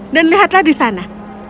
dan lihatlah di sana